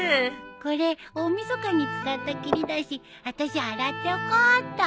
これ大晦日に使ったきりだし私洗っておこうっと。